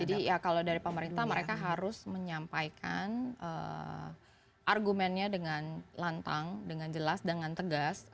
jadi ya kalau dari pemerintah mereka harus menyampaikan argumennya dengan lantang dengan jelas dengan tegas